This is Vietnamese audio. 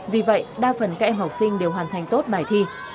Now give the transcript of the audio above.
vì vậy đa phần các em học sinh đều hoàn thành tốt bài thi